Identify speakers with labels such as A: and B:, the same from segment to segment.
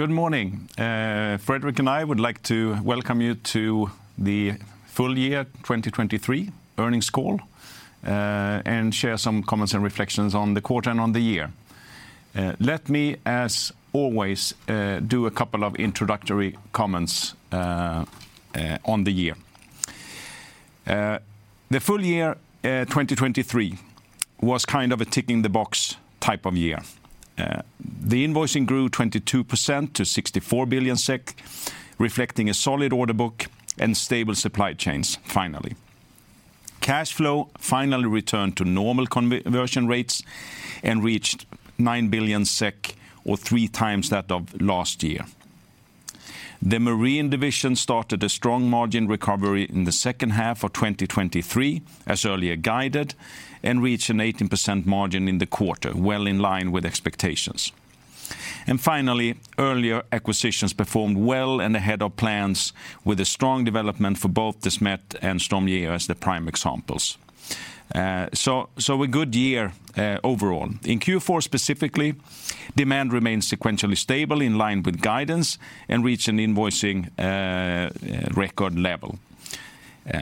A: Good morning. Fredrik and I would like to welcome you to the full year 2023 earnings call, and share some comments and reflections on the quarter and on the year. Let me, as always, do a couple of introductory comments on the year. The full year 2023 was kind of a ticking the box type of year. The invoicing grew 22% to 64 billion SEK, reflecting a solid order book and stable supply chains, finally. Cash flow finally returned to normal conversion rates and reached 9 billion SEK, or three times that of last year. The Marine Division started a strong margin recovery in the second half of 2023, as earlier guided, and reached an 18% margin in the quarter, well in line with expectations. Finally, earlier acquisitions performed well and ahead of plans with a strong development for both the Desmet and StormGeo as the prime examples. So a good year, overall. In Q4, specifically, demand remains sequentially stable in line with guidance and reached an invoicing record level.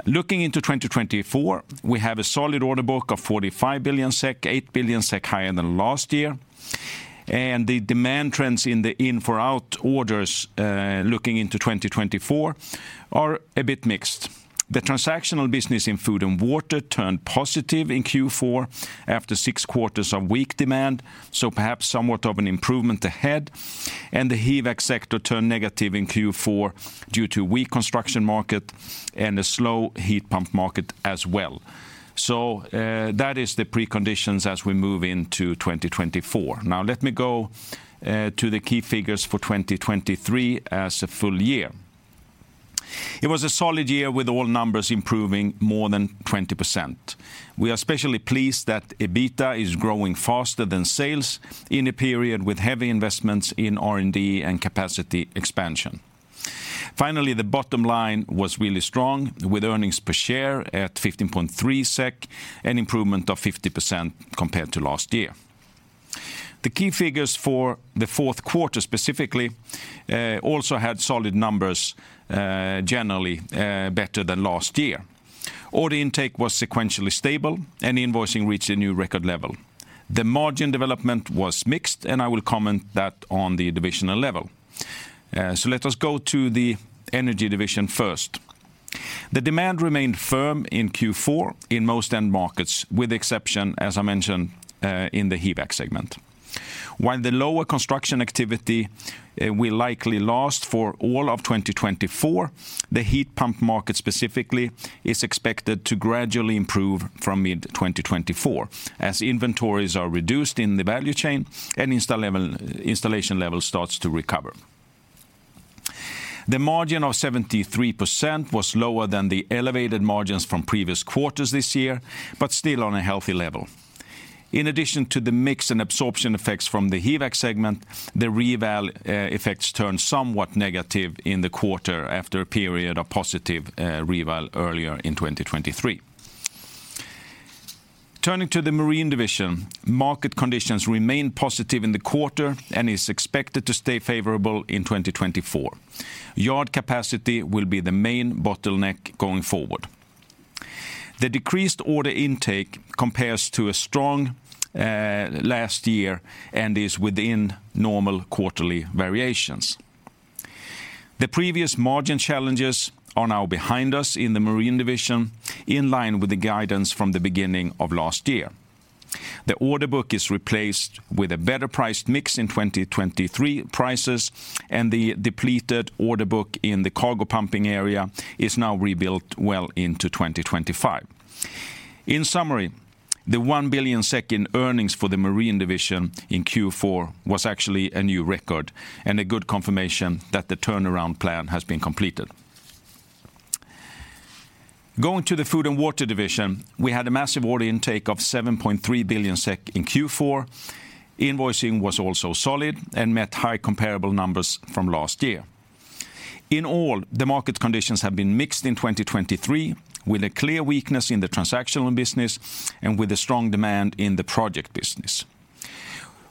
A: Looking into 2024, we have a solid order book of 45 billion SEK, 8 billion SEK higher than last year, and the demand trends in the in-for-out orders looking into 2024 are a bit mixed. The transactional business in food and water turned positive in Q4 after six quarters of weak demand, so perhaps somewhat of an improvement ahead, and the HVAC sector turned negative in Q4 due to weak construction market and a slow heat pump market as well. So, that is the preconditions as we move into 2024. Now, let me go to the key figures for 2023 as a full year. It was a solid year, with all numbers improving more than 20%. We are especially pleased that EBITDA is growing faster than sales in a period with heavy investments in R&D and capacity expansion. Finally, the bottom line was really strong, with earnings per share at 15.3 SEK, an improvement of 50% compared to last year. The key figures for the fourth quarter, specifically, also had solid numbers, generally, better than last year. Order intake was sequentially stable, and invoicing reached a new record level. The margin development was mixed, and I will comment that on the divisional level. Let us go to the Energy Division first. The demand remained firm in Q4 in most end markets, with exception, as I mentioned, in the HVAC segment. While the lower construction activity will likely last for all of 2024, the heat pump market specifically is expected to gradually improve from mid-2024 as inventories are reduced in the value chain and install level, installation level starts to recover. The margin of 73% was lower than the elevated margins from previous quarters this year, but still on a healthy level. In addition to the mix and absorption effects from the HVAC segment, the reval effects turned somewhat negative in the quarter after a period of positive reval earlier in 2023. Turning to the Marine Division, market conditions remained positive in the quarter and is expected to stay favorable in 2024. Yard capacity will be the main bottleneck going forward. The decreased order intake compares to a strong last year and is within normal quarterly variations. The previous margin challenges are now behind us in the Marine Division, in line with the guidance from the beginning of last year. The order book is replaced with a better-priced mix in 2023 prices, and the depleted order book in the cargo pumping area is now rebuilt well into 2025. In summary, the 1 billion in earnings for the Marine Division in Q4 was actually a new record and a good confirmation that the turnaround plan has been completed. Going to the Food and Water Division, we had a massive order intake of 7.3 billion SEK in Q4. Invoicing was also solid and met high comparable numbers from last year. In all, the market conditions have been mixed in 2023, with a clear weakness in the transactional business and with a strong demand in the project business.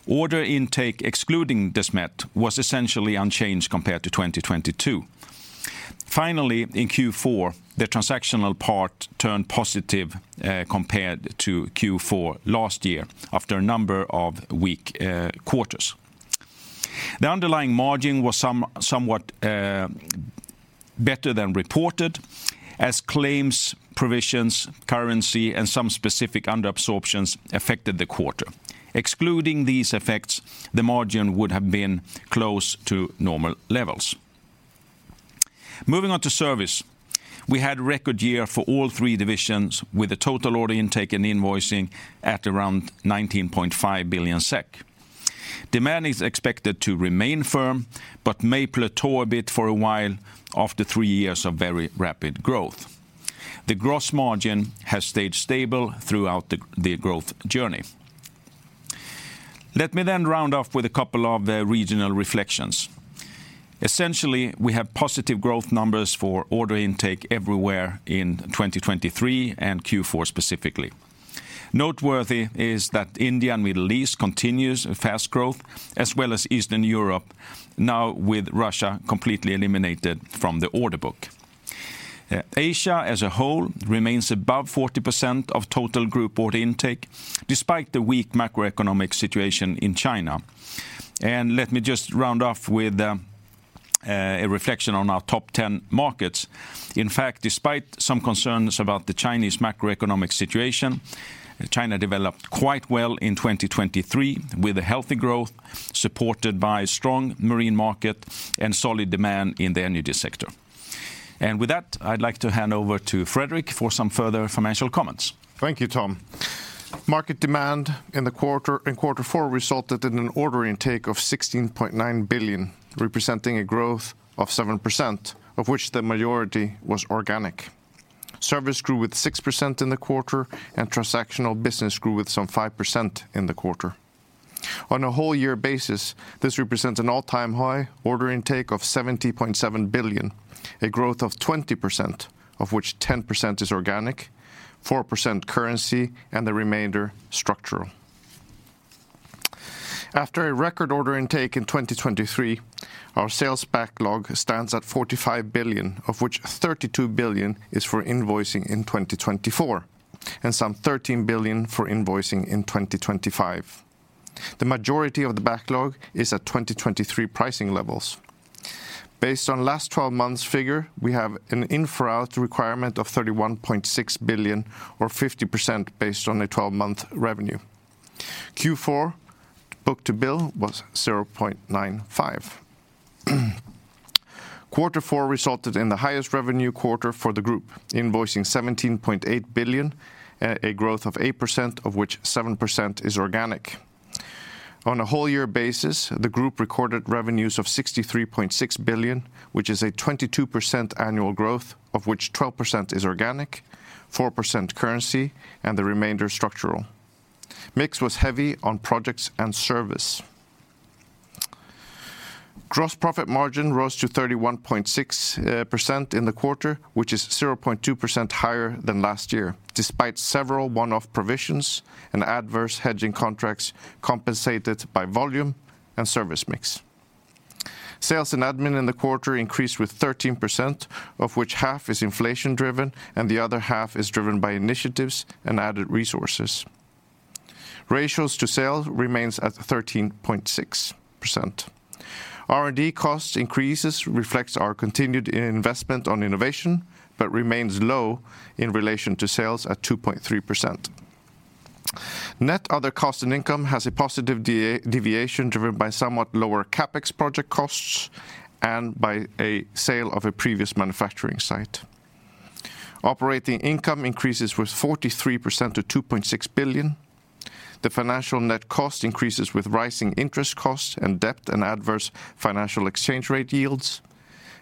A: Order intake, excluding Desmet, was essentially unchanged compared to 2022. Finally, in Q4, the transactional part turned positive, compared to Q4 last year, after a number of weak quarters. The underlying margin was somewhat better than reported, as claims, provisions, currency, and some specific underabsorptions affected the quarter. Excluding these effects, the margin would have been close to normal levels. Moving on to service, we had a record year for all three divisions, with a total order intake and invoicing at around 19.5 billion SEK. Demand is expected to remain firm, but may plateau a bit for a while after three years of very rapid growth. The gross margin has stayed stable throughout the growth journey. Let me then round off with a couple of the regional reflections. Essentially, we have positive growth numbers for order intake everywhere in 2023 and Q4 specifically. Noteworthy is that India and Middle East continues a fast growth, as well as Eastern Europe, now with Russia completely eliminated from the order book. Asia, as a whole, remains above 40% of total group order intake, despite the weak macroeconomic situation in China. And let me just round off with a reflection on our top 10 markets. In fact, despite some concerns about the Chinese macroeconomic situation, China developed quite well in 2023, with a healthy growth supported by strong marine market and solid demand in the energy sector. And with that, I'd like to hand over to Fredrik for some further financial comments.
B: Thank you, Tom. Market demand in the quarter, in quarter four resulted in an order intake of 16.9 billion, representing a growth of 7%, of which the majority was organic. Service grew with 6% in the quarter, and transactional business grew with some 5% in the quarter. On a whole year basis, this represents an all-time high order intake of 70.7 billion, a growth of 20%, of which 10% is organic, 4% currency, and the remainder, structural. After a record order intake in 2023, our sales backlog stands at 45 billion, of which 32 billion is for invoicing in 2024, and some 13 billion for invoicing in 2025. The majority of the backlog is at 2023 pricing levels. Based on last twelve months figure, we have an in-for-out requirement of 31.6 billion or 50% based on a 12-month revenue. Q4, book-to-bill was 0.95. Quarter four resulted in the highest revenue quarter for the group, invoicing 17.8 billion, a growth of 8%, of which 7% is organic. On a whole year basis, the group recorded revenues of 63.6 billion, which is a 22% annual growth, of which 12% is organic, 4% currency, and the remainder, structural. Mix was heavy on projects and service. Gross profit margin rose to 31.6%, in the quarter, which is 0.2% higher than last year, despite several one-off provisions and adverse hedging contracts compensated by volume and service mix. Sales and admin in the quarter increased with 13%, of which half is inflation-driven, and the other half is driven by initiatives and added resources. Ratios to sales remains at 13.6%. R&D cost increases, reflects our continued investment on innovation, but remains low in relation to sales at 2.3%. Net other cost and income has a positive deviation, driven by somewhat lower CapEx project costs and by a sale of a previous manufacturing site. Operating income increases with 43% to 2.6 billion. The financial net cost increases with rising interest costs and debt and adverse financial exchange rate yields.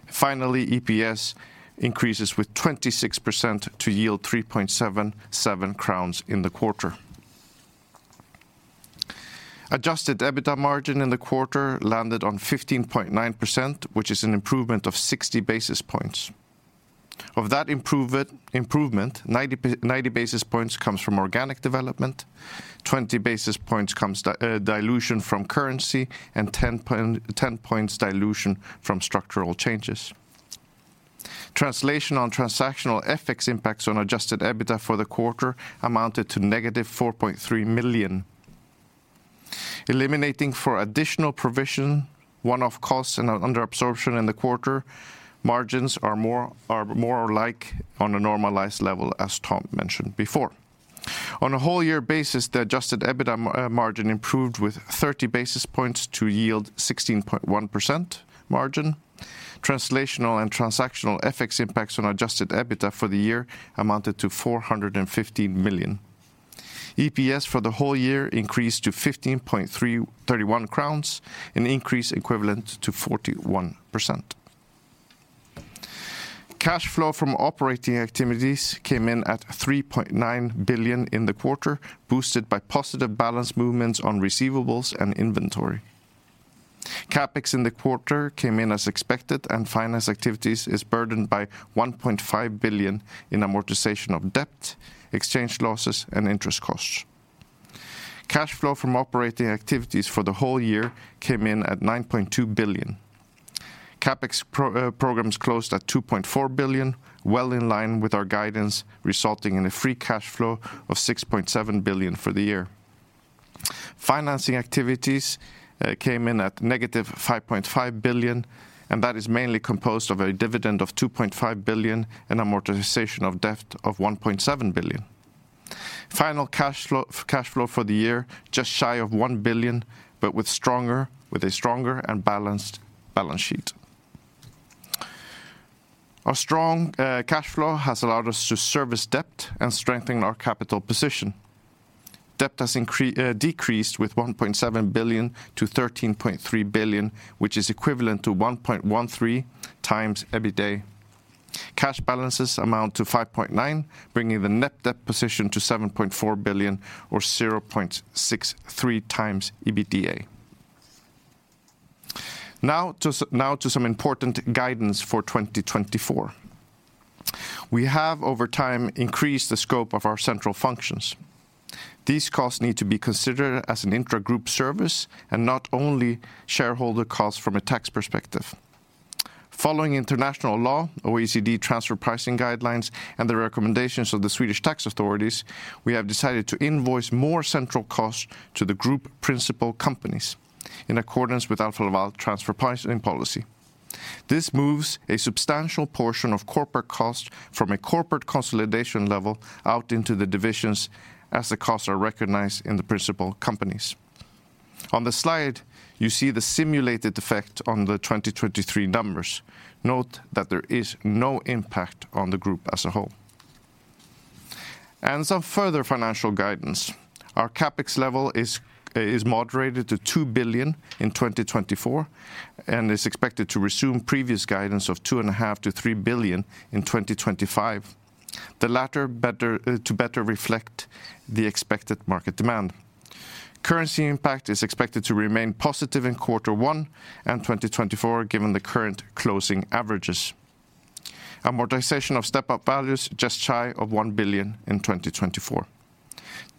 B: Finally, EPS increases with 26% to yield 3.77 crowns in the quarter. Adjusted EBITDA margin in the quarter landed on 15.9%, which is an improvement of 60 basis points. Of that improvement, 90 basis points comes from organic development, 20 basis points comes from dilution from currency, and 10 points dilution from structural changes. Translational and transactional FX impacts on adjusted EBITDA for the quarter amounted to negative 4.3 million. Eliminating for additional provision, one-off costs and under absorption in the quarter, margins are more like on a normalized level, as Tom mentioned before. On a whole year basis, the adjusted EBITDA margin improved with 30 basis points to yield 16.1% margin. Translational and transactional FX impacts on adjusted EBITDA for the year amounted to 415 million. EPS for the whole year increased to 15.31 crowns, an increase equivalent to 41%. Cash flow from operating activities came in at 3.9 billion in the quarter, boosted by positive balance movements on receivables and inventory. CapEx in the quarter came in as expected, and finance activities is burdened by 1.5 billion in amortization of debt, exchange losses, and interest costs. Cash flow from operating activities for the whole year came in at 9.2 billion. CapEx programs closed at 2.4 billion, well in line with our guidance, resulting in a free cash flow of 6.7 billion for the year. Financing activities came in at -5.5 billion, and that is mainly composed of a dividend of 2.5 billion and amortization of debt of 1.7 billion. Final cash flow, cash flow for the year, just shy of 1 billion, but with stronger, with a stronger and balanced balance sheet. Our strong cash flow has allowed us to service debt and strengthen our capital position. Debt has decreased with 1.7 billion to 13.3 billion, which is equivalent to 1.13x EBITDA. Cash balances amount to 5.9 billion, bringing the net debt position to 7.4 billion, or 0.63x EBITDA. Now to some important guidance for 2024. We have, over time, increased the scope of our central functions. These costs need to be considered as an intra-group service, and not only shareholder costs from a tax perspective. Following international law, OECD transfer pricing guidelines, and the recommendations of the Swedish tax authorities, we have decided to invoice more central costs to the group principal companies in accordance with Alfa Laval transfer pricing policy. This moves a substantial portion of corporate costs from a corporate consolidation level out into the divisions, as the costs are recognized in the principal companies. On the slide, you see the simulated effect on the 2023 numbers. Note that there is no impact on the group as a whole. Some further financial guidance. Our CapEx level is moderated to 2 billion in 2024, and is expected to resume previous guidance of 2.5 billion-3 billion in 2025, the latter better to better reflect the expected market demand. Currency impact is expected to remain positive in quarter one and 2024, given the current closing averages. Amortization of step-up values, just shy of 1 billion in 2024.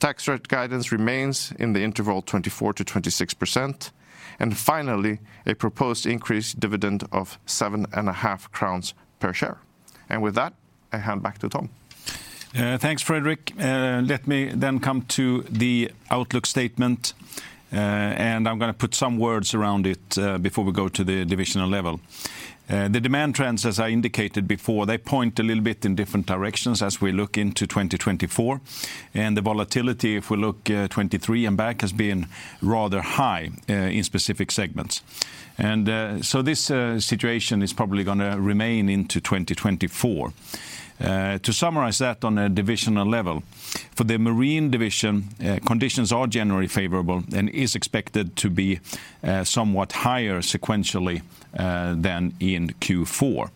B: Tax rate guidance remains in the interval 24%-26%. And finally, a proposed increased dividend of 7.5 crowns per share. And with that, I hand back to Tom.
A: Thanks, Fredrik. Let me then come to the outlook statement, and I'm gonna put some words around it, before we go to the divisional level. The demand trends, as I indicated before, they point a little bit in different directions as we look into 2024. And the volatility, if we look, 2023 and back, has been rather high, in specific segments. And, so this situation is probably gonna remain into 2024. To summarize that on a divisional level, for the Marine Division, conditions are generally favorable and is expected to be, somewhat higher sequentially, than in Q4.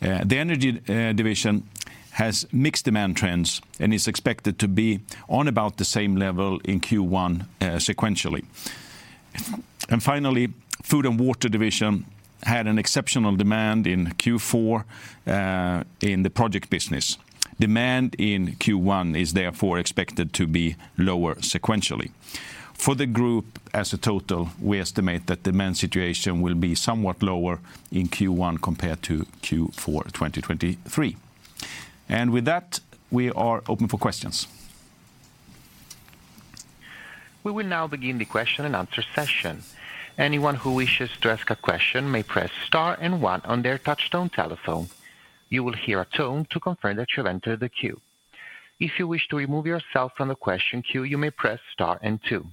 A: The Energy Division has mixed demand trends and is expected to be on about the same level in Q1, sequentially. And finally, Food and Water Division had an exceptional demand in Q4, in the project business. Demand in Q1 is therefore expected to be lower sequentially. For the group as a total, we estimate that demand situation will be somewhat lower in Q1 compared to Q4, 2023. And with that, we are open for questions.
C: We will now begin the question and answer session. Anyone who wishes to ask a question may press star and one on their touchtone telephone. You will hear a tone to confirm that you've entered the queue. If you wish to remove yourself from the question queue, you may press star and two.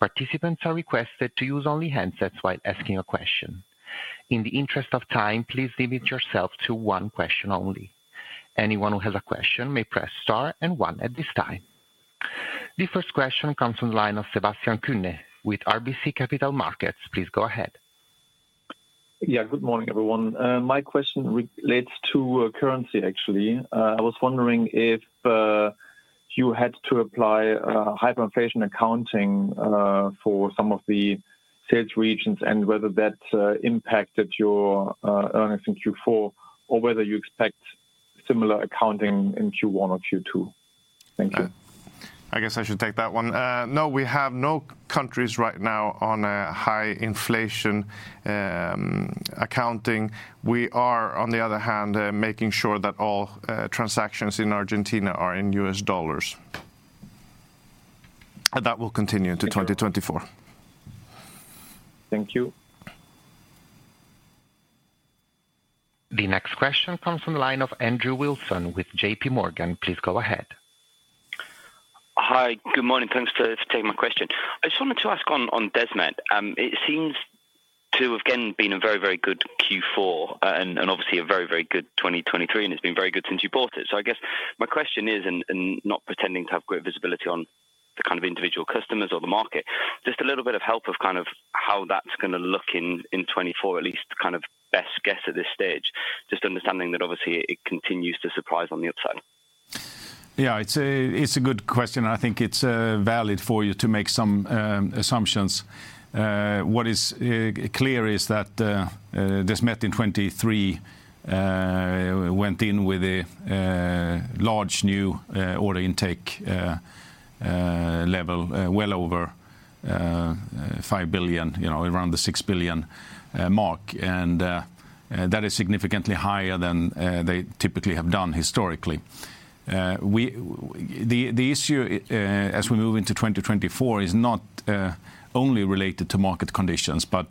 C: Participants are requested to use only handsets while asking a question. In the interest of time, please limit yourself to one question only. Anyone who has a question may press star and one at this time. The first question comes from the line of Sebastian Kuenne with RBC Capital Markets. Please go ahead.
D: Yeah, good morning, everyone. My question relates to currency, actually. I was wondering if you had to apply hyperinflation accounting for some of the sales regions, and whether that impacted your earnings in Q4, or whether you expect similar accounting in Q1 or Q2? Thank you.
A: I guess I should take that one. No, we have no countries right now on a high inflation accounting. We are, on the other hand, making sure that all transactions in Argentina are in U.S. dollars. And that will continue into 2024.
D: Thank you.
C: The next question comes from the line of Andrew Wilson with JP Morgan. Please go ahead.
E: Hi, good morning. Thanks for taking my question. I just wanted to ask on Desmet. It seems to have, again, been a very, very good Q4, and obviously a very, very good 2023, and it's been very good since you bought it. So I guess my question is, not pretending to have great visibility on the kind of individual customers or the market, just a little bit of help of kind of how that's gonna look in 2024, at least kind of best guess at this stage. Just understanding that obviously it continues to surprise on the upside.
A: Yeah, it's a good question, and I think it's valid for you to make some assumptions. What is clear is that Desmet in 2023 went in with a large new order intake level, well over 5 billion, you know, around the 6 billion mark. And that is significantly higher than they typically have done historically. The issue as we move into 2024 is not only related to market conditions, but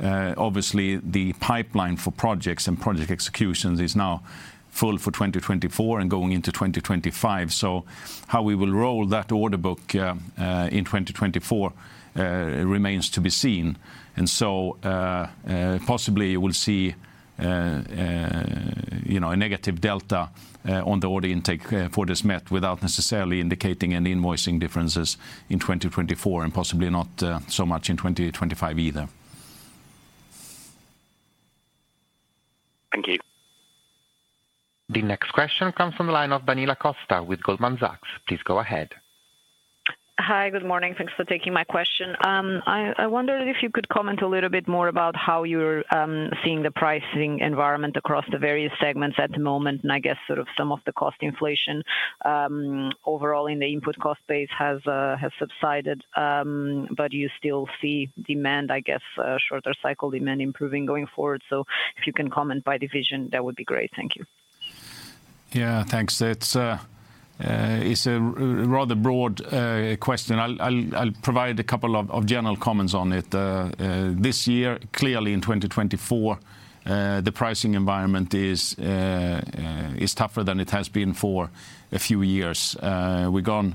A: obviously, the pipeline for projects and project executions is now full for 2024 and going into 2025. So how we will roll that order book in 2024 remains to be seen. Possibly we'll see, you know, a negative delta on the order intake for Desmet, without necessarily indicating any invoicing differences in 2024, and possibly not so much in 2025 either.
E: Thank you.
C: The next question comes from the line of Daniela Costa with Goldman Sachs. Please go ahead.
F: Hi, good morning. Thanks for taking my question. I wonder if you could comment a little bit more about how you're seeing the pricing environment across the various segments at the moment, and I guess, sort of some of the cost inflation overall in the input cost base has subsided, but you still see demand, I guess, shorter cycle demand improving going forward. So if you can comment by division, that would be great. Thank you.
A: Yeah, thanks. It's a rather broad question. I'll provide a couple of general comments on it. This year, clearly in 2024, the pricing environment is tougher than it has been for a few years. We've gone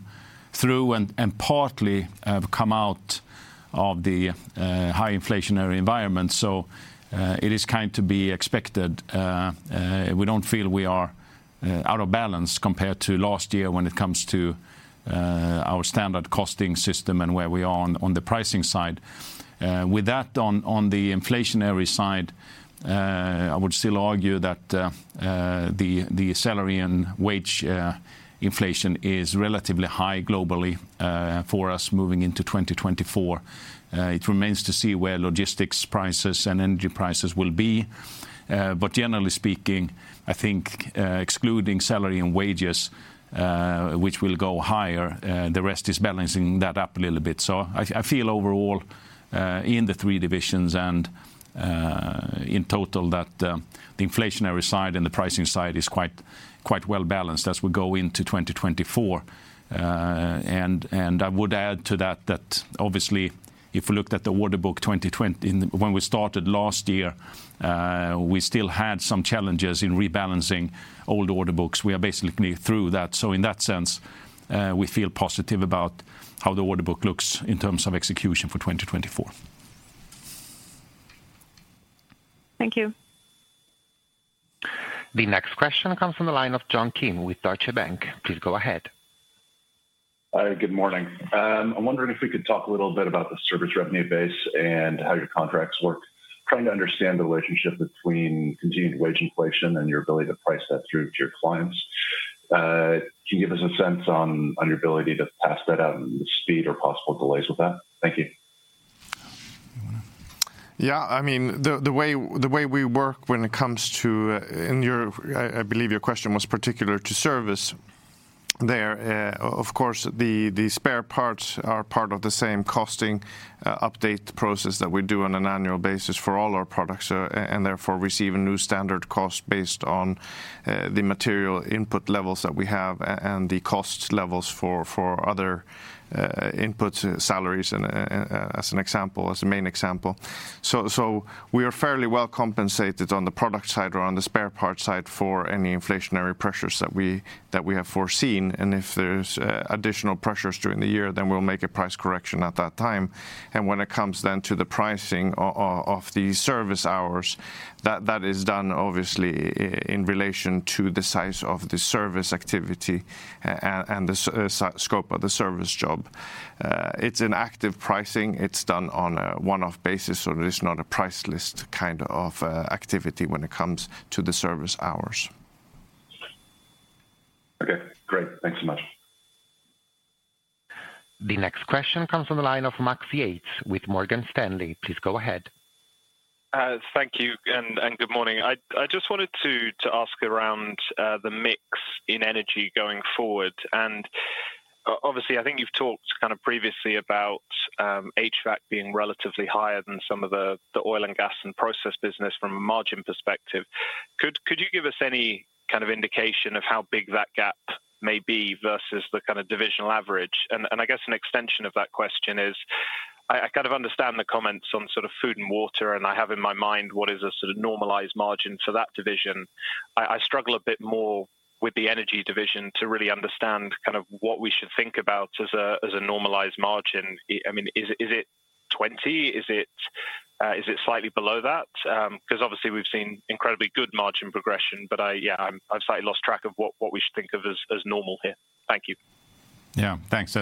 A: through and partly have come out of the high inflationary environment, so it is kind of to be expected. We don't feel we are out of balance compared to last year when it comes to our standard costing system and where we are on the pricing side. With that, on the inflationary side, I would still argue that the salary and wage inflation is relatively high globally for us moving into 2024. It remains to see where logistics prices and energy prices will be. But generally speaking, I think, excluding salary and wages, which will go higher, the rest is balancing that up a little bit. So I, I feel overall, in the three divisions and, in total, that the inflationary side and the pricing side is quite, quite well balanced as we go into 2024. And, and I would add to that, that obviously, if we looked at the order book when we started last year, we still had some challenges in rebalancing old order books. We are basically through that. So in that sense, we feel positive about how the order book looks in terms of execution for 2024.
F: Thank you.
C: The next question comes from the line of John Kim with Deutsche Bank. Please go ahead.
G: Hi, good morning. I'm wondering if we could talk a little bit about the service revenue base and how your contracts work. Trying to understand the relationship between continued wage inflation and your ability to price that through to your clients. Can you give us a sense on, on your ability to pass that on, and the speed or possible delays with that? Thank you.
A: Yeah, I mean, the way we work when it comes to, in your... I believe your question was particular to service there. Of course, the spare parts are part of the same costing update process that we do on an annual basis for all our products, and therefore receive a new standard cost based on the material input levels that we have and the cost levels for other inputs, salaries, and, as an example, as a main example. So we are fairly well compensated on the product side or on the spare parts side for any inflationary pressures that we have foreseen. And if there's additional pressures during the year, then we'll make a price correction at that time. When it comes then to the pricing of the service hours, that is done obviously in relation to the size of the service activity and the scope of the service job. It's an active pricing. It's done on a one-off basis, so there is not a price list kind of activity when it comes to the service hours.
G: Okay, great. Thanks so much.
C: The next question comes from the line of Max Yates with Morgan Stanley. Please go ahead.
H: Thank you, and good morning. I just wanted to ask around the mix in energy going forward. And obviously, I think you've talked kind of previously about HVAC being relatively higher than some of the oil and gas and process business from a margin perspective. Could you give us any kind of indication of how big that gap may be versus the kind of divisional average? And I guess an extension of that question is, I kind of understand the comments on sort of food and water, and I have in my mind what is a sort of normalized margin for that division. I struggle a bit more with the energy division to really understand kind of what we should think about as a normalized margin. I mean, is it 20? Is it slightly below that? 'Cause obviously we've seen incredibly good margin progression, but I, yeah, I've slightly lost track of what we should think of as normal here. Thank you.
A: Yeah, thanks.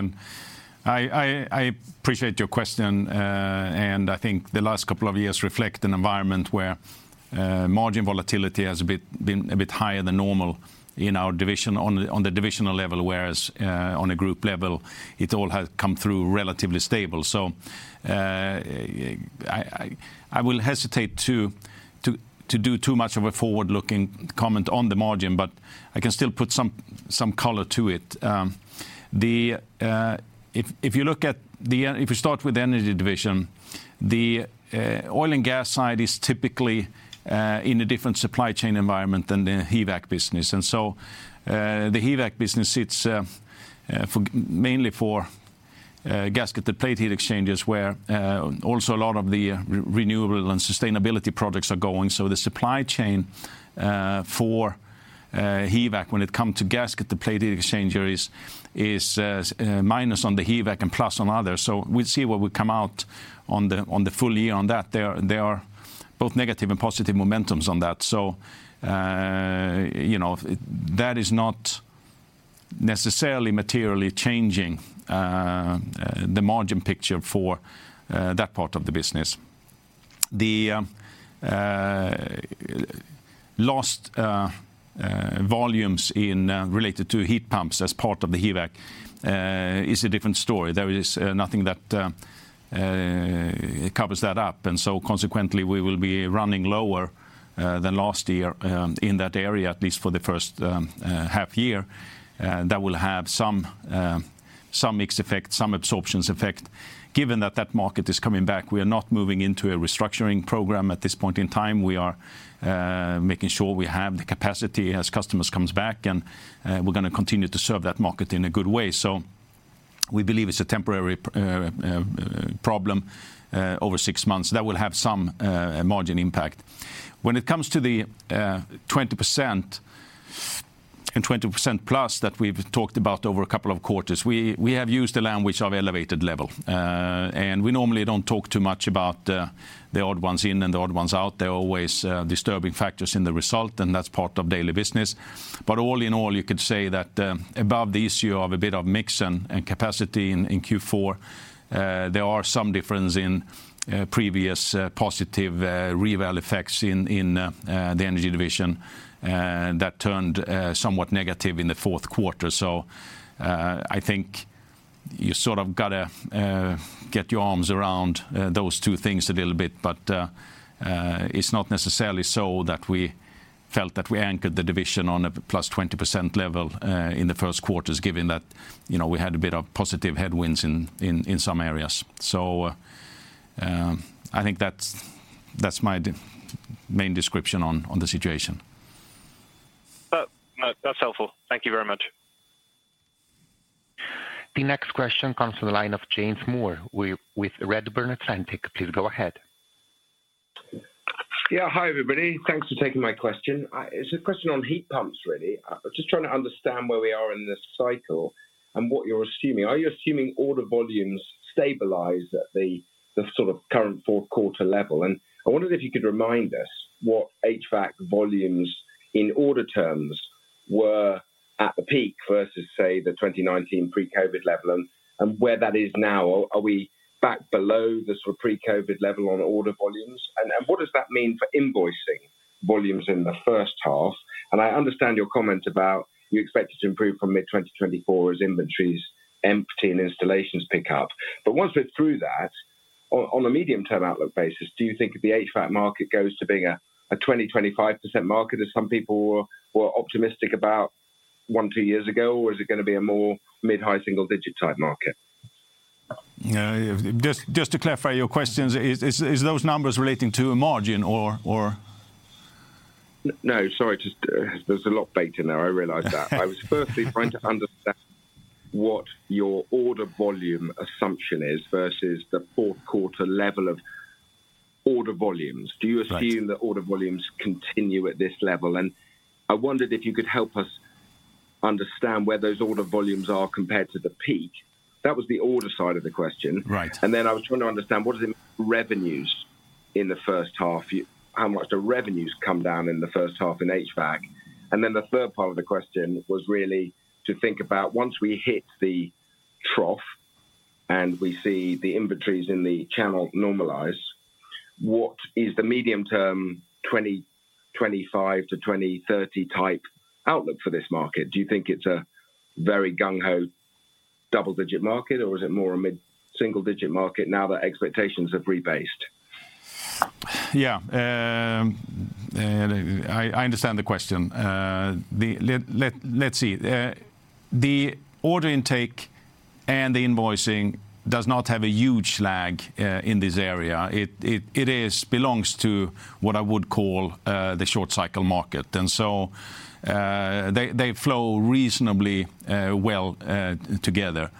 A: I appreciate your question, and I think the last couple of years reflect an environment where margin volatility has been a bit higher than normal in our division on the divisional level, whereas on a group level, it all has come through relatively stable. So, I will hesitate to do too much of a forward-looking comment on the margin, but I can still put some color to it. If you start with the energy division, the oil and gas side is typically in a different supply chain environment than the HVAC business. The HVAC business, it's mainly for gasket and plate heat exchangers, where also a lot of the renewable and sustainability products are going. So the supply chain for HVAC, when it come to gasket, the plate heat exchanger is minus on the HVAC and plus on others. So we'll see what would come out on the full year on that. There are both negative and positive momentums on that. So, you know, that is not necessarily materially changing the margin picture for that part of the business. The lost volumes related to heat pumps as part of the HVAC is a different story. There is nothing that covers that up, and so consequently, we will be running lower than last year in that area, at least for the first half year. That will have some mixed effect, some absorptions effect. Given that that market is coming back, we are not moving into a restructuring program at this point in time. We are making sure we have the capacity as customers comes back, and we're gonna continue to serve that market in a good way. So we believe it's a temporary problem over six months that will have some margin impact. When it comes to the 20% and +20% that we've talked about over a couple of quarters, we have used the language of elevated level. And we normally don't talk too much about the odd ones in and the odd ones out. There are always disturbing factors in the result, and that's part of daily business. But all in all, you could say that above the issue of a bit of mix and capacity in Q4, there are some difference in previous positive reval effects in the energy division that turned somewhat negative in the fourth quarter. So, I think you sort of gotta get your arms around those two things a little bit. But it's not necessarily so that we felt that we anchored the division on a plus 20% level in the first quarters, given that, you know, we had a bit of positive headwinds in some areas. I think that's my main description on the situation.
H: No, that's helpful. Thank you very much.
C: The next question comes from the line of James Moore with Redburn Atlantic. Please go ahead.
I: Yeah, hi, everybody. Thanks for taking my question. It's a question on heat pumps, really. Just trying to understand where we are in this cycle and what you're assuming. Are you assuming order volumes stabilize at the sort of current fourth quarter level? And I wondered if you could remind us what HVAC volumes, in order terms, were at the peak versus, say, the 2019 pre-COVID level and where that is now. Are we back below the sort of pre-COVID level on order volumes? And what does that mean for invoicing volumes in the first half? And I understand your comment about you expect it to improve from mid-2024 as inventories empty and installations pick up. But once we're through that, on a medium-term outlook basis, do you think the HVAC market goes to being a 20%-25% market as some people were optimistic about one, two years ago? Or is it gonna be a more mid-high single-digit type market?
A: Just to clarify your questions, is those numbers relating to a margin or-
I: No, sorry, just, there's a lot baked in there, I realize that. I was firstly trying to understand what your order volume assumption is versus the fourth quarter level of order volumes.
A: Right.
I: Do you assume that order volumes continue at this level? I wondered if you could help us understand where those order volumes are compared to the peak. That was the order side of the question.
A: Right.
I: And then I was trying to understand, what are the revenues in the first half? How much the revenues come down in the first half in HVAC? And then the third part of the question was really to think about once we hit the trough, and we see the inventories in the channel normalize, what is the medium-term 2025-2030 type outlook for this market? Do you think it's a very gung-ho, double-digit market, or is it more a mid-single-digit market now that expectations have rebased?
A: Yeah. I understand the question. Let's see. The order intake and the invoicing does not have a huge lag in this area. It belongs to what I would call the short cycle market, and so they flow reasonably well together.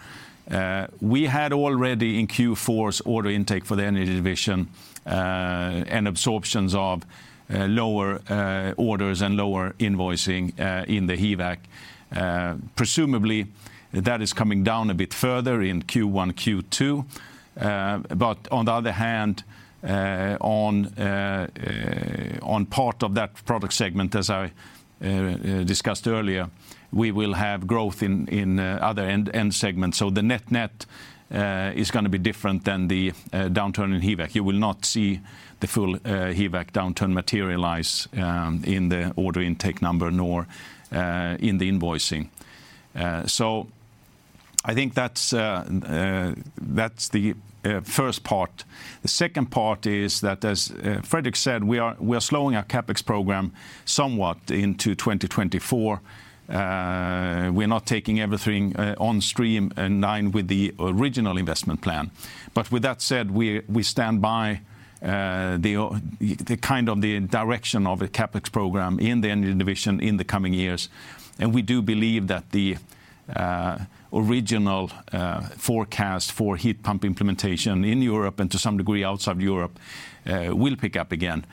A: We had already in Q4's order intake for the energy division and absorptions of lower orders and lower invoicing in the HVAC. Presumably, that is coming down a bit further in Q1, Q2. But on the other hand, on part of that product segment, as I discussed earlier, we will have growth in other end segments. So the net-net is gonna be different than the downturn in HVAC. You will not see the full, HVAC downturn materialize, in the order intake number, nor, in the invoicing. So I think that's, that's the first part. The second part is that, as Fredrik said, we are, we are slowing our CapEx program somewhat into 2024. We're not taking everything, on stream in line with the original investment plan. But with that said, we, we stand by, the o- the, kind of the direction of a CapEx program in the energy division in the coming years. And we do believe that the, original, forecast for heat pump implementation in Europe, and to some degree outside of Europe, will pick up again.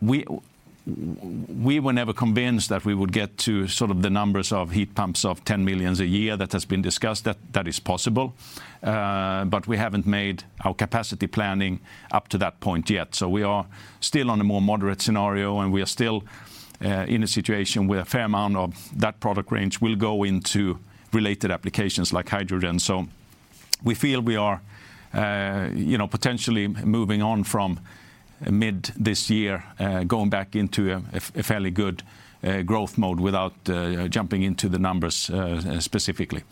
A: We were never convinced that we would get to sort of the numbers of heat pumps of 10 million a year that has been discussed. That is possible, but we haven't made our capacity planning up to that point yet. So we are still on a more moderate scenario, and we are still in a situation where a fair amount of that product range will go into related applications like hydrogen. We feel we are, you know, potentially moving on from mid this year, going back into a fairly good growth mode without jumping into the numbers specifically.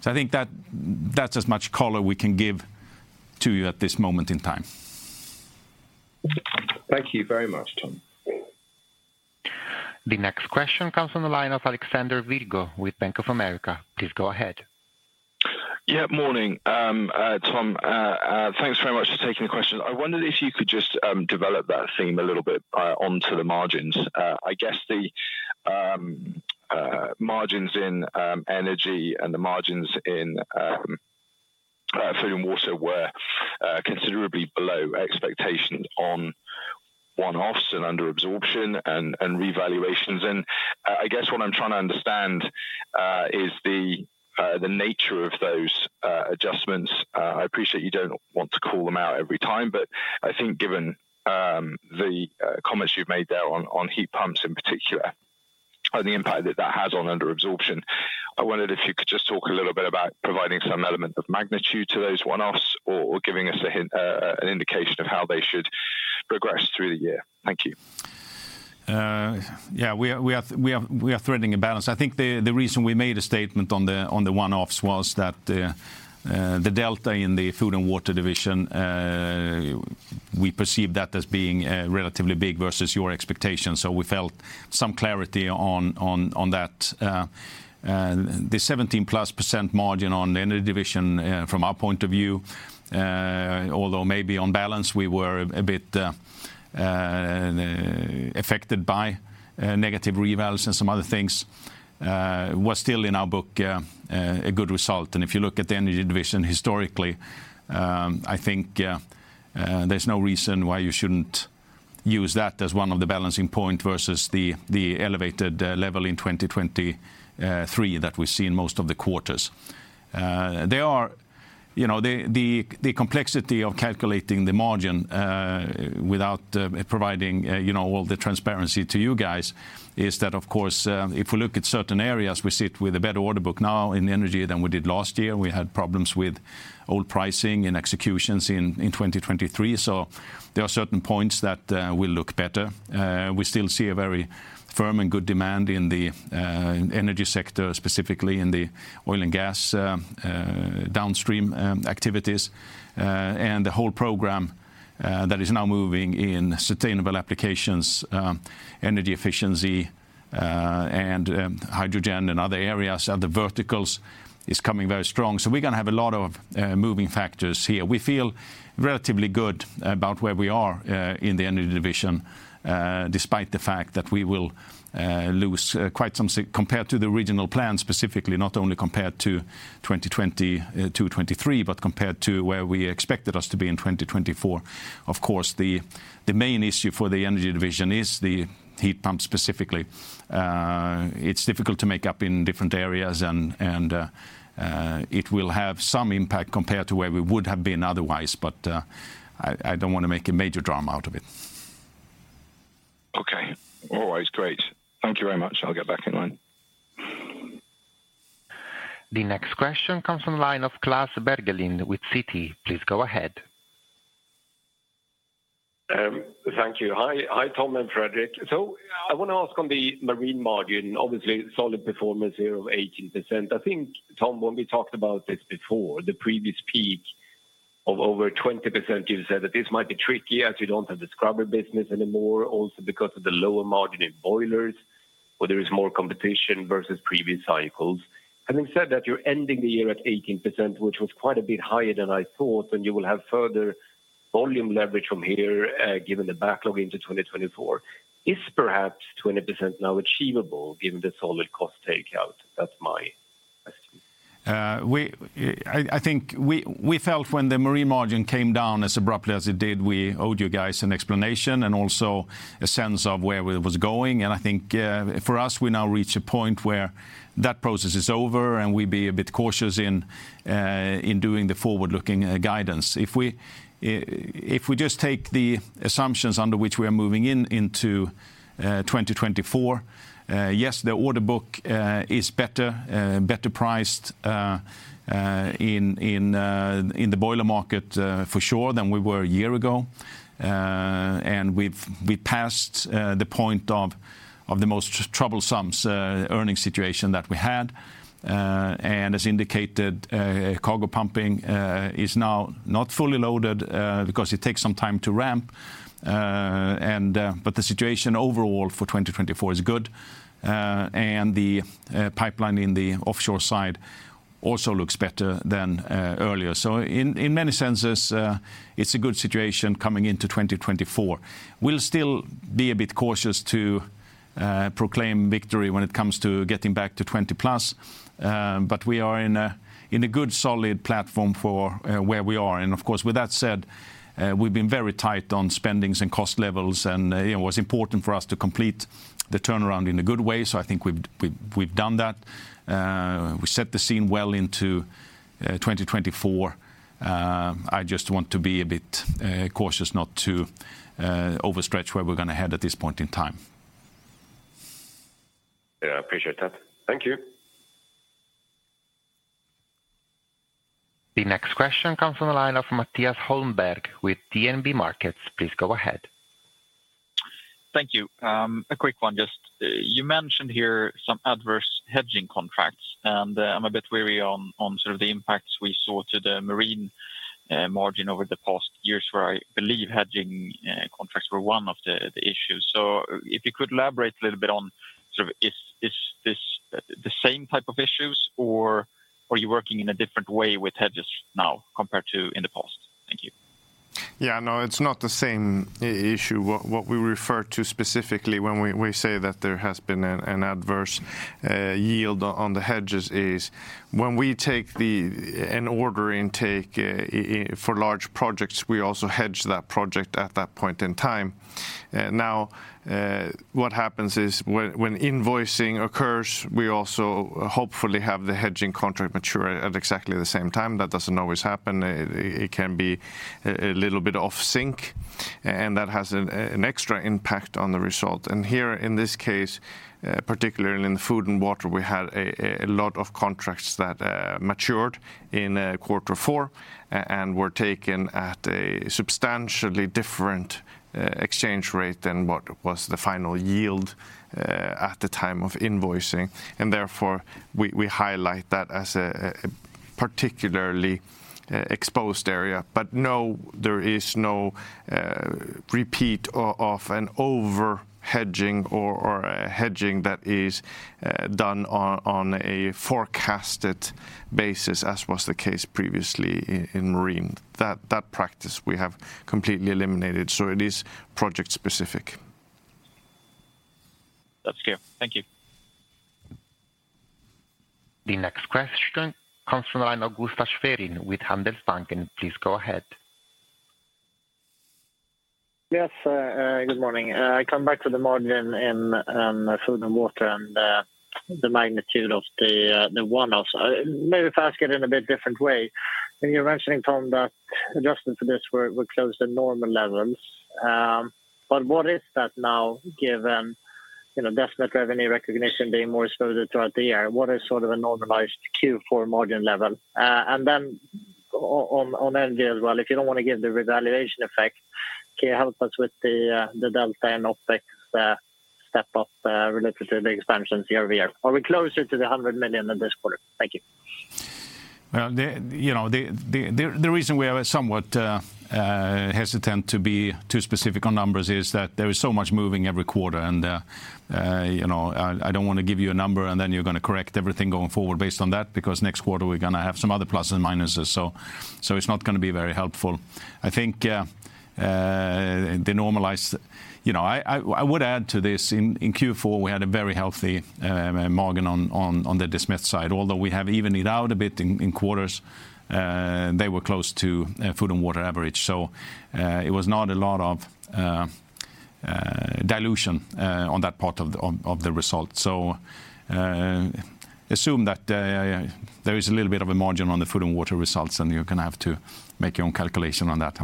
A: So I think that that's as much color we can give to you at this moment in time.
I: Thank you very much, Tom.
C: The next question comes from the line of Alexander Virgo with Bank of America. Please go ahead.
J: Yeah, morning. Tom, thanks very much for taking the question. I wondered if you could just, develop that theme a little bit, onto the margins. I guess the, margins in, energy and the margins in, food and water were, considerably below expectations on one-offs and under absorption and, and revaluations. And, I guess what I'm trying to understand, is the, the nature of those, adjustments. I appreciate you don't want to call them out every time, but I think given the comments you've made there on heat pumps in particular, and the impact that that has on under absorption, I wondered if you could just talk a little bit about providing some element of magnitude to those one-offs, or giving us a hint, an indication of how they should progress through the year. Thank you.
A: Yeah, we are threading a balance. I think the reason we made a statement on the one-offs was that the delta in the food and water division, we perceived that as being relatively big versus your expectations, so we felt some clarity on that. The +17% margin on the energy division, from our point of view, although maybe on balance we were a bit affected by negative revals and some other things, was still in our book a good result. If you look at the energy division historically, I think, there's no reason why you shouldn't use that as one of the balancing point versus the elevated level in 2023 that we see in most of the quarters. There are. You know, the complexity of calculating the margin without providing you know all the transparency to you guys is that, of course, if we look at certain areas, we sit with a better order book now in energy than we did last year. We had problems with oil pricing and executions in 2023, so there are certain points that will look better. We still see a very firm and good demand in the energy sector, specifically in the oil and gas downstream activities. And the whole program that is now moving in sustainable applications, energy efficiency, and hydrogen and other areas, and the verticals is coming very strong. So we're gonna have a lot of moving factors here. We feel relatively good about where we are in the energy division despite the fact that we will lose quite some compared to the original plan, specifically, not only compared to 2022, 2023, but compared to where we expected us to be in 2024. Of course, the main issue for the energy division is the heat pump, specifically. It's difficult to make up in different areas, and it will have some impact compared to where we would have been otherwise, but I don't want to make a major drama out of it.
J: Okay. All right, great. Thank you very much. I'll get back in line.
C: The next question comes from line of Klas Bergelind with Citi. Please go ahead.
K: Thank you. Hi. Hi, Tom and Fredrik. So I want to ask on the marine margin, obviously, solid performance here of 18%. I think, Tom, when we talked about this before, the previous peak of over 20%, you said that this might be tricky, as you don't have the scrubber business anymore, also because of the lower margin in boilers, where there is more competition versus previous cycles. Having said that, you're ending the year at 18%, which was quite a bit higher than I thought, and you will have further volume leverage from here, given the backlog into 2024. Is perhaps 20% now achievable given the solid cost takeout? That's my question.
A: I think we felt when the marine margin came down as abruptly as it did, we owed you guys an explanation and also a sense of where we was going. And I think, for us, we now reach a point where that process is over, and we'd be a bit cautious in doing the forward-looking guidance. If we just take the assumptions under which we are moving into 2024, yes, the order book is better priced in the boiler market, for sure, than we were a year ago. And we've passed the point of the most troublesome earning situation that we had. As indicated, cargo pumping is now not fully loaded because it takes some time to ramp. But the situation overall for 2024 is good. And the pipeline in the offshore side also looks better than earlier. So in many senses, it's a good situation coming into 2024. We'll still be a bit cautious to proclaim victory when it comes to getting back to 20+, but we are in a good, solid platform for where we are. And of course, with that said, we've been very tight on spendings and cost levels, and it was important for us to complete the turnaround in a good way. So I think we've done that. We set the scene well into 2024. I just want to be a bit cautious not to overstretch where we're gonna head at this point in time.
K: Thank you!
C: The next question comes from the line of Mattias Holmberg with DNB Markets. Please go ahead.
L: Thank you. A quick one, just, you mentioned here some adverse hedging contracts, and, I'm a bit wary on, on sort of the impacts we saw to the marine margin over the past years, where I believe hedging contracts were one of the issues. So if you could elaborate a little bit on sort of is this the same type of issues, or are you working in a different way with hedges now compared to in the past? Thank you.
A: Yeah, no, it's not the same issue. What we refer to specifically when we say that there has been an adverse yield on the hedges is when we take an order intake for large projects, we also hedge that project at that point in time. Now, what happens is when invoicing occurs, we also hopefully have the hedging contract mature at exactly the same time. That doesn't always happen. It can be a little bit off sync, and that has an extra impact on the result. And here, in this case, particularly in the food and water, we had a lot of contracts that matured in quarter four and were taken at a substantially different exchange rate than what was the final yield at the time of invoicing. Therefore, we highlight that as a particularly exposed area. But no, there is no repeat of an over-hedging or a hedging that is done on a forecasted basis, as was the case previously in marine. That practice we have completely eliminated, so it is project specific.
L: That's clear. Thank you.
C: The next question comes from the line of Gustaf Schwerin with Handelsbanken. Please go ahead.
M: Yes, good morning. I come back to the margin in food and water and the magnitude of the one-offs. Maybe if I ask it in a bit different way, when you're mentioning, Tom, that adjusted for this, we're close to normal levels. But what is that now, given, you know, Desmet revenue recognition being more exposed throughout the year? What is sort of a normalized Q4 margin level? And then on energy as well, if you don't want to give the revaluation effect, can you help us with the delta and OpEx step up relative to the expansions year-over-year? Are we closer to 100 million in this quarter? Thank you.
A: Well, you know, the reason we are somewhat hesitant to be too specific on numbers is that there is so much moving every quarter. And, you know, I don't want to give you a number, and then you're going to correct everything going forward based on that, because next quarter we're going to have some other pluses and minuses, so it's not going to be very helpful. I think, the normalized. You know, I would add to this, in Q4, we had a very healthy margin on the Desmet side. Although we have evened it out a bit in quarters, they were close to food and water average. So, it was not a lot of dilution on that part of the result. Assume that there is a little bit of a margin on the food and water results, and you're going to have to make your own calculation on that.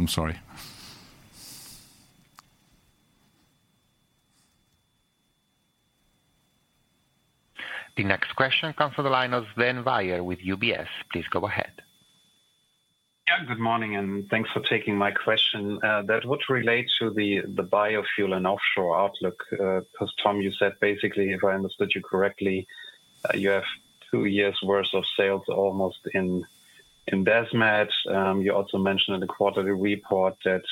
A: I'm sorry.
C: The next question comes from the line of Sven Weier with UBS. Please go ahead.
N: Yeah, good morning, and thanks for taking my question. That would relate to the biofuel and offshore outlook, 'cause Tom, you said, basically, if I understood you correctly, you have two years' worth of sales almost in Desmet. You also mentioned in the quarterly report that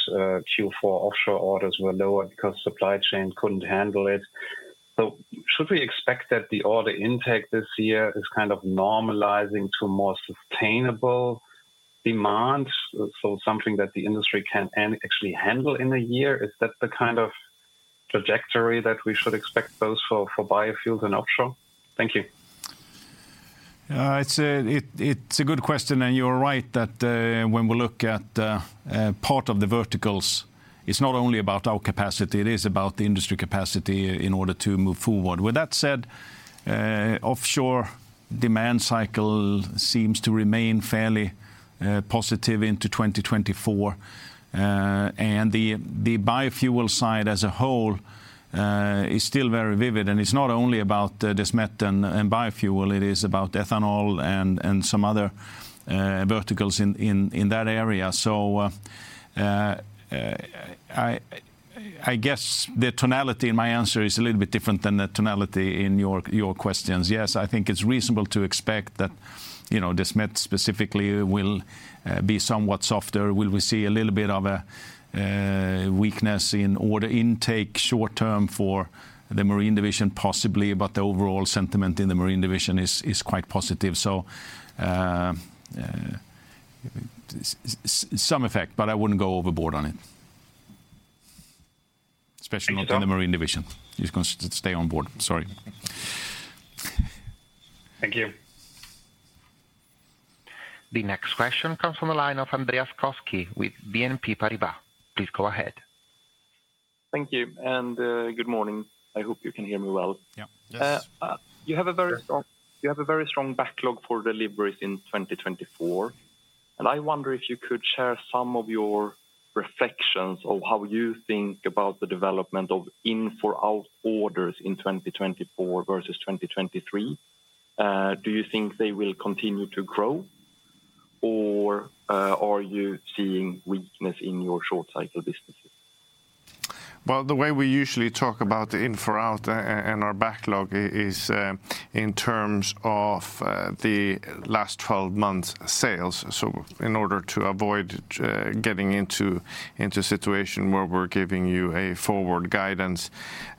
N: Q4 offshore orders were lower because supply chain couldn't handle it. So should we expect that the order intake this year is kind of normalizing to more sustainable demand, so something that the industry can actually handle in a year? Is that the kind of trajectory that we should expect both for biofuels and offshore? Thank you.
A: It's a good question, and you're right that, when we look at, part of the verticals, it's not only about our capacity, it is about the industry capacity in order to move forward. With that said, offshore demand cycle seems to remain fairly, positive into 2024. And the biofuel side as a whole is still very vivid, and it's not only about, Desmet and biofuel, it is about ethanol and some other, verticals in, in that area. So, I guess the tonality in my answer is a little bit different than the tonality in your questions. Yes, I think it's reasonable to expect that, you know, Desmet specifically will be somewhat softer. Will we see a little bit of a weakness in order intake short term for the marine division? Possibly, but the overall sentiment in the marine division is quite positive. So, some effect, but I wouldn't go overboard on it.
N: Thank you, Tom.
A: Especially not in the marine division. It's gonna stay on board. Sorry.
N: Thank you.
C: The next question comes from the line of Andreas Koski with BNP Paribas. Please go ahead.
O: Thank you, and good morning. I hope you can hear me well.
A: Yeah. Yes.
O: You have a very strong backlog for deliveries in 2024. I wonder if you could share some of your reflections of how you think about the development of in-for-out orders in 2024 versus 2023. Do you think they will continue to grow, or are you seeing weakness in your short cycle businesses?
A: Well, the way we usually talk about the in-for-out and our backlog is, in terms of, the last 12 months sales. So in order to avoid, getting into, into a situation where we're giving you a forward guidance,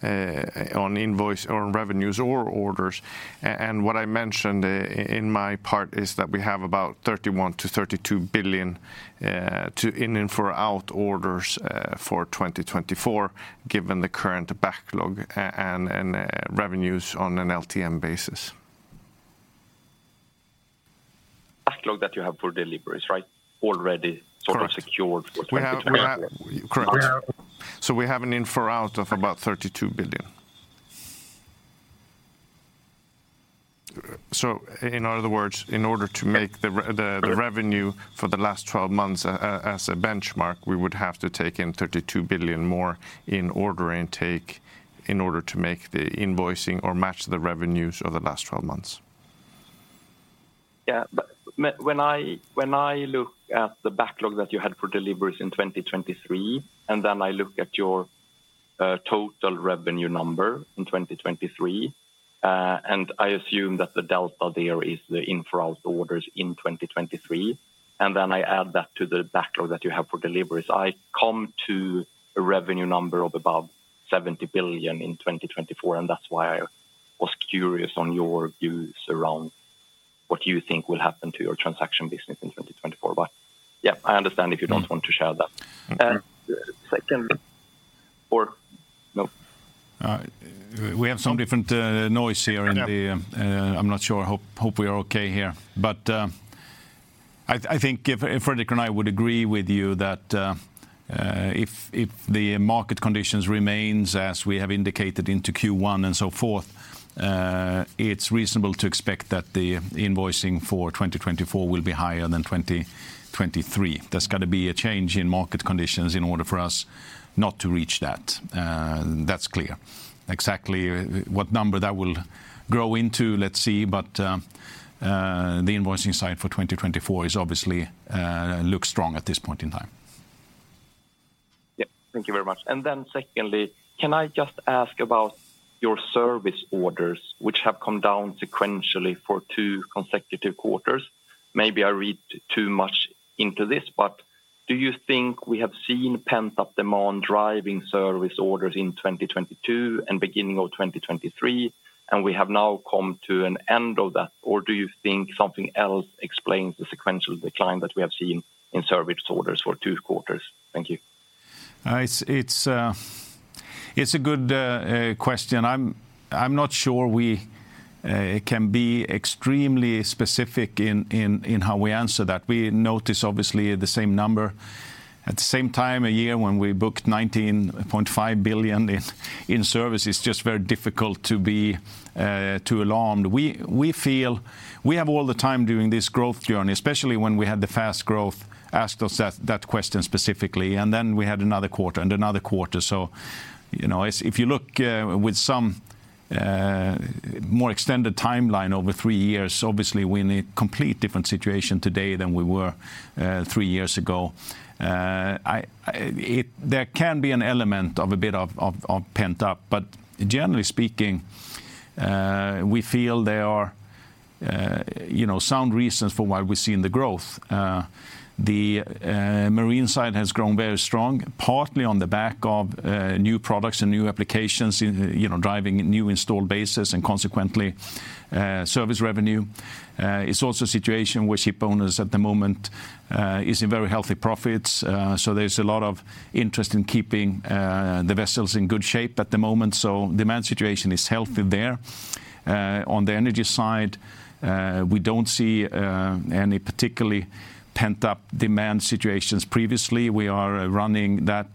A: on invoice, on revenues, or orders. And what I mentioned in my part, is that we have about 31 billion-32 billion to in-and-for-out orders, for 2024, given the current backlog and revenues on an LTM basis.
P: Backlog that you have for deliveries, right? Already-
A: Correct....
P: sort of secured for 2024.
A: We have. Correct. So we have an in-for-out of about 32 billion. So in other words, in order to make the revenue for the last 12 months as a benchmark, we would have to take in 32 billion more in order intake, in order to make the invoicing or match the revenues of the last 12 months.
P: Yeah, but when I look at the backlog that you had for deliveries in 2023, and then I look at your total revenue number in 2023, and I assume that the delta there is the in-for-out orders in 2023, and then I add that to the backlog that you have for deliveries, I come to a revenue number of about 70 billion in 2024, and that's why I was curious on your views around what you think will happen to your transaction business in 2024. But, yeah, I understand if you don't want to share that.
A: Okay.
P: Second or no.
A: We have some different noise here in the-
P: Yeah...
A: I'm not sure. I hope we are okay here. But I think if Fredrik and I would agree with you that if the market conditions remains as we have indicated into Q1 and so forth, it's reasonable to expect that the invoicing for 2024 will be higher than 2023. There's got to be a change in market conditions in order for us not to reach that, that's clear. Exactly what number that will grow into, let's see, but the invoicing side for 2024 is obviously looks strong at this point in time.
P: Yeah. Thank you very much. And then secondly, can I just ask about your service orders, which have come down sequentially for two consecutive quarters? Maybe I read too much into this, but do you think we have seen pent-up demand driving service orders in 2022 and beginning of 2023, and we have now come to an end of that? Or do you think something else explains the sequential decline that we have seen in service orders for two quarters? Thank you.
A: It's a good question. I'm not sure we can be extremely specific in how we answer that. We notice, obviously, the same number. At the same time, a year when we booked 19.5 billion in service, it's just very difficult to be too alarmed. We feel we have all the time during this growth journey, especially when we had the fast growth, asked us that question specifically, and then we had another quarter and another quarter. So, you know, if you look with some more extended timeline over three years, obviously, we're in a complete different situation today than we were three years ago. There can be an element of a bit of pent-up, but generally speaking, we feel there are, you know, sound reasons for why we're seeing the growth. The marine side has grown very strong, partly on the back of new products and new applications, you know, driving new installed bases and consequently service revenue. It's also a situation where shipowners at the moment is in very healthy profits, so there's a lot of interest in keeping the vessels in good shape at the moment, so demand situation is healthy there. On the energy side, we don't see any particularly pent-up demand situations. Previously, we are running that,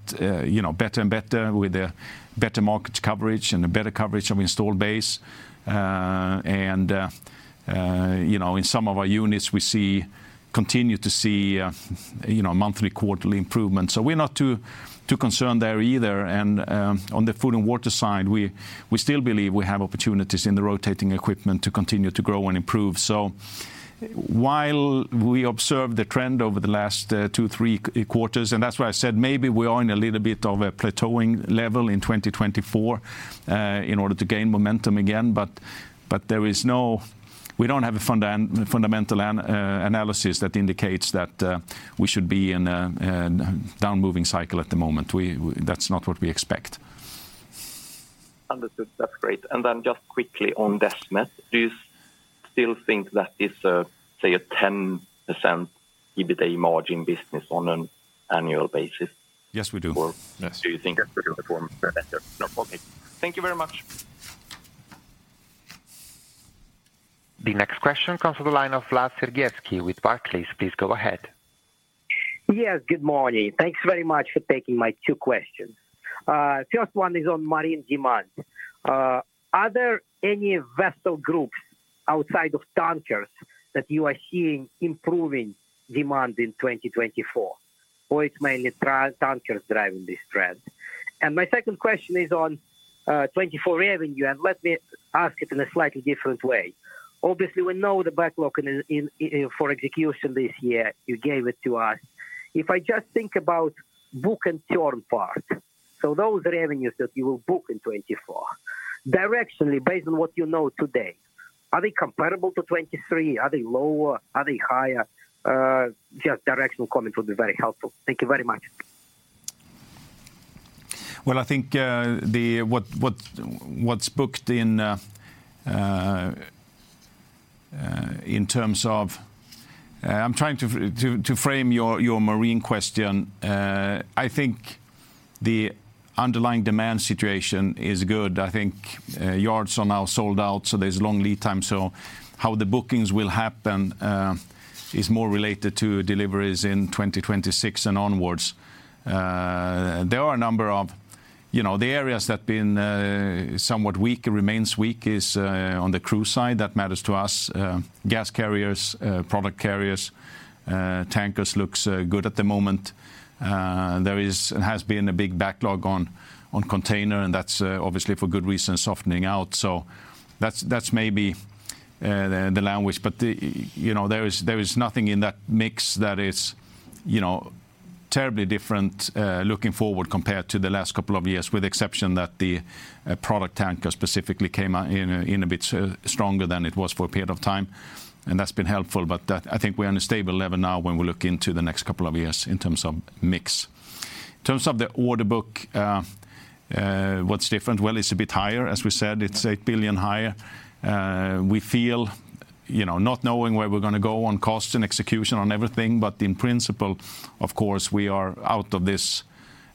A: you know, better and better with a better market coverage and a better coverage of installed base. And, you know, in some of our units, we see, continue to see, you know, monthly, quarterly improvements. So we're not too, too concerned there either. And, on the food and water side, we still believe we have opportunities in the rotating equipment to continue to grow and improve. So while we observe the trend over the last two to three quarters, and that's why I said maybe we are in a little bit of a plateauing level in 2024, in order to gain momentum again. But there is no-- We don't have a fundamental analysis that indicates that we should be in a down moving cycle at the moment. We-- That's not what we expect.
P: Understood. That's great. And then just quickly on Desmet, do you still think that is a, say, a 10% EBITDA margin business on an annual basis?
A: Yes, we do.
P: Or-
A: Yes....
P: do you think it will perform better? Okay. Thank you very much.
C: The next question comes from the line of Vlad Sergievskiy with Barclays. Please go ahead.
Q: Yes, good morning. Thanks very much for taking my two questions. First one is on marine demand. Are there any vessel groups outside of tankers that you are seeing improving demand in 2024, or it's mainly tankers driving this trend? And my second question is on 2024 revenue, and let me ask it in a slightly different way. Obviously, we know the backlog for execution this year, you gave it to us. If I just think about book and turn part, so those revenues that you will book in 2024, directionally, based on what you know today, are they comparable to 2023? Are they lower? Are they higher? Just directional comments would be very helpful. Thank you very much.
A: Well, I think, the, what, what's booked in, in terms of... I'm trying to frame your marine question. I think the underlying demand situation is good. I think, yards are now sold out, so there's long lead time. So how the bookings will happen, is more related to deliveries in 2026 and onwards. There are a number of, you know, the areas that been, somewhat weak and remains weak is, on the crew side. That matters to us. Gas carriers, product carriers, tankers looks, good at the moment. There is and has been a big backlog on, on container, and that's, obviously for good reason, softening out. So that's, that's maybe, the language. But the, you know, there is nothing in that mix that is, you know, terribly different, looking forward compared to the last couple of years, with the exception that the product tanker specifically came out in a bit stronger than it was for a period of time, and that's been helpful. But that, I think we're on a stable level now when we look into the next couple of years in terms of mix. In terms of the order book, what's different? Well, it's a bit higher. As we said, it's 8 billion higher. We feel, you know, not knowing where we're gonna go on cost and execution on everything, but in principle, of course, we are out of this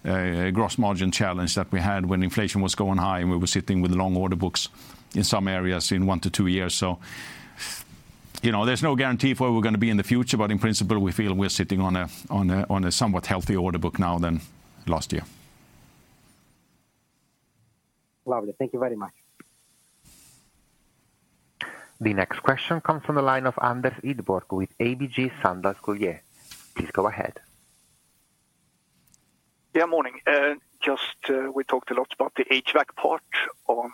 A: gross margin challenge that we had when inflation was going high, and we were sitting with long order books in some areas in one to two years. So, you know, there's no guarantee where we're gonna be in the future, but in principle, we feel we're sitting on a somewhat healthier order book now than last year.
Q: Lovely. Thank you very much.
C: The next question comes from the line of Anders Idborg with ABG Sundal Collier. Please go ahead.
R: Yeah, morning. Just, we talked a lot about the HVAC part on,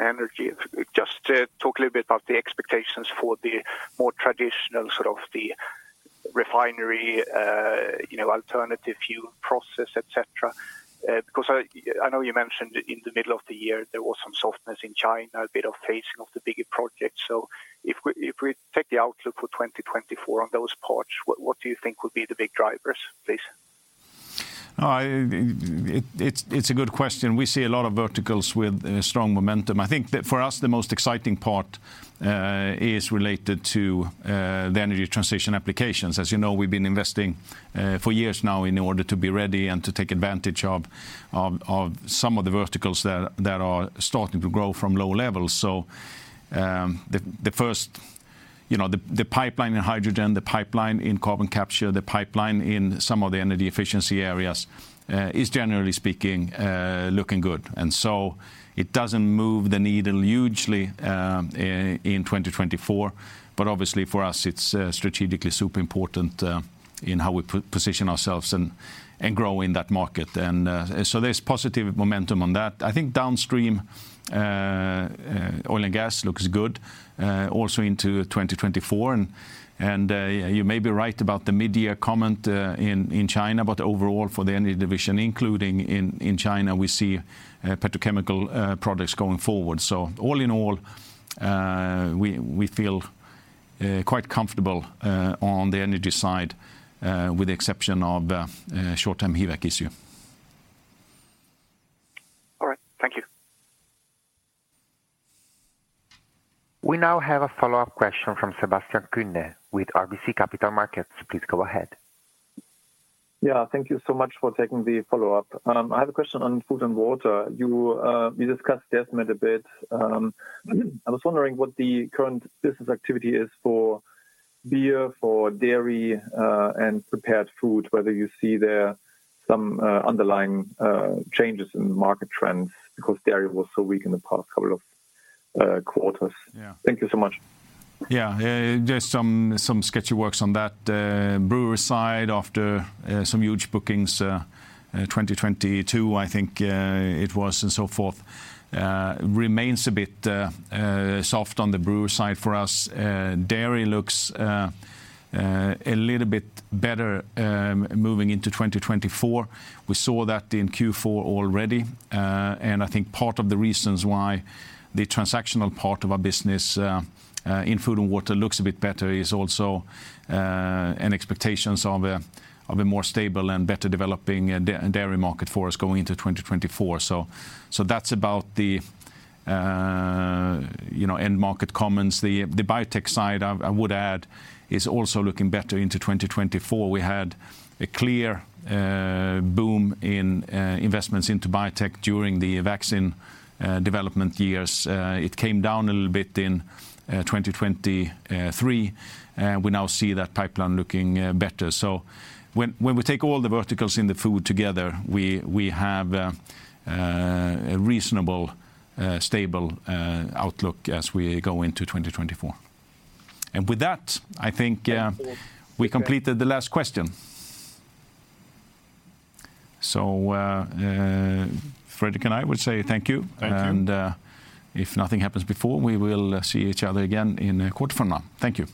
R: energy. Just, talk a little bit about the expectations for the more traditional, sort of the refinery, you know, alternative fuel process, et cetera. Because I, I know you mentioned in the middle of the year there was some softness in China, a bit of phasing of the bigger project. So if we, if we take the outlook for 2024 on those parts, what, what do you think would be the big drivers, please?
A: It's a good question. We see a lot of verticals with strong momentum. I think that for us, the most exciting part is related to the energy transition applications. As you know, we've been investing for years now in order to be ready and to take advantage of some of the verticals that are starting to grow from low levels. So, you know, the pipeline in hydrogen, the pipeline in carbon capture, the pipeline in some of the energy efficiency areas is generally speaking looking good. And so it doesn't move the needle hugely in 2024, but obviously for us, it's strategically super important in how we position ourselves and grow in that market. And so there's positive momentum on that. I think downstream oil and gas looks good, also into 2024. You may be right about the mid-year comment in China, but overall for the energy division, including in China, we see petrochemical products going forward. All in all, we feel quite comfortable on the energy side, with the exception of a short-term HVAC issue.
R: All right. Thank you.
C: We now have a follow-up question from Sebastian Kuenne with RBC Capital Markets. Please go ahead.
D: Yeah, thank you so much for taking the follow-up. I have a question on food and water. You, you discussed the estimate a bit. I was wondering what the current business activity is for beer, for dairy, and prepared food, whether you see there some underlying changes in the market trends because dairy was so weak in the past couple of quarters.
A: Yeah.
D: Thank you so much.
A: Yeah. There's some sketchy works on that. Brewer side, after some huge bookings, 2022, I think it was, and so forth, remains a bit soft on the brewer side for us. Dairy looks a little bit better moving into 2024. We saw that in Q4 already. And I think part of the reasons why the transactional part of our business in food and water looks a bit better is also an expectations of a more stable and better developing dairy market for us going into 2024. So that's about the, you know, end market comments. The biotech side, I would add, is also looking better into 2024. We had a clear boom in investments into biotech during the vaccine development years. It came down a little bit in 2023. We now see that pipeline looking better. So when we take all the verticals in the food together, we have a reasonable stable outlook as we go into 2024. And with that, I think we completed the last question. So, Fredrik and I would say thank you.
B: Thank you.
A: If nothing happens before, we will see each other again in quarter from now. Thank you.